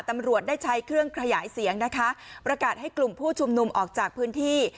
ตำรวจได้ใช้เครื่องขยายเสียงนะคะประกาศให้กลุ่มผู้ชุมนุมออกจากพื้นที่